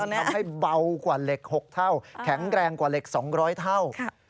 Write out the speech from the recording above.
ทำให้เบากว่าเหล็ก๖เท่าแข็งแรงกว่าเหล็ก๒๐๐เท่า